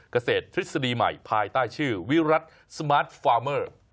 เกษตรทฤษฎีใหม่ภายใต้ชื่อวิรัติสมาร์ทฟาร์เมอร์